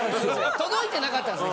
届いてなかったんですね。